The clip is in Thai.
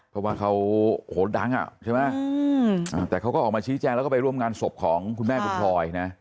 เพราะว่าเขาโหดดังอ่ะใช่ไหมแต่เขาก็ออกมาชี้แจงแล้วก็ไปร่วมงานศพของคุณแม่คุณพลอยนะ